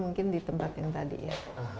mungkin di tempat yang tadi ya